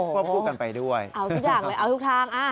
วบคู่กันไปด้วยเอาทุกอย่างเลยเอาทุกทาง